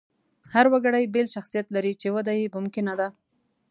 هر وګړی بېل شخصیت لري، چې وده یې ممکنه ده.